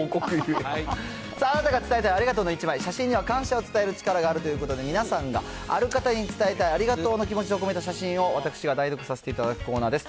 さあ、あなたが伝えたいありがとうの１枚、写真には感謝を伝える力があるということで、皆さんがある方に伝えたいありがとうの気持ちを込めた写真を、私が代読させていただくコーナーです。